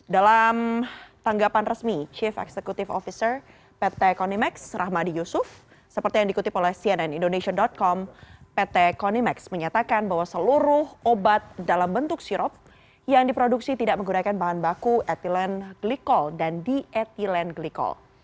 dalam tanggapan resmi chief executive officer pt konimax rahmadi yusuf seperti yang dikutip oleh cnn indonesia com pt konimax menyatakan bahwa seluruh obat dalam bentuk sirop yang diproduksi tidak menggunakan bahan baku etilen glikol dan dietilen glikol